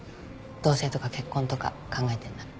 同棲とか結婚とか考えてんなら。